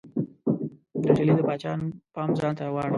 د ډهلي د پاچا پام ځانته واړاوه.